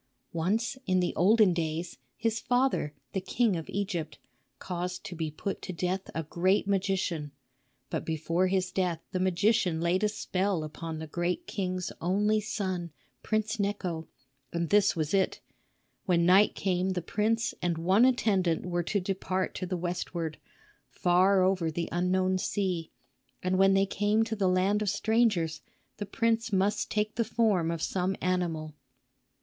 Once, in the olden days, his father, the king of Egypt, caused to be put to death a great magician; but before his death the magician laid a spell upon the great king's only son, Prince Necho; and this was it. When night came the prince and one attendant were to depart to the westward, far over the unknown sea; and when they came to the land of strangers, the prince must take the form of some animal.